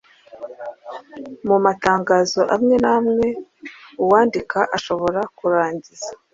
Mu matangazo amwe n’amwe uwandika ashobora kurangiza